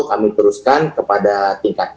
kami teruskan kepada tingkat